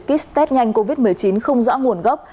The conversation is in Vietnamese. kích test nhanh covid một mươi chín không rõ nguồn gốc